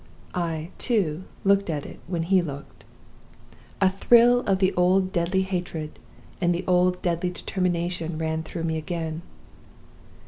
I, too, looked at it when he looked. A thrill of the old deadly hatred and the old deadly determination ran through me again.